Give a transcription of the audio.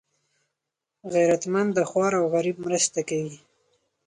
غیرتمند د خوار او غریب مرسته کوي